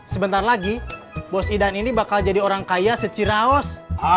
sebentar lagi bos idan ini bakal jadi orang kaya seciraos